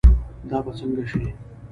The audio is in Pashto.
دا به سنګه شي